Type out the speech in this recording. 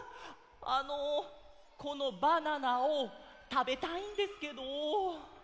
あのこのバナナをたべたいんですけど。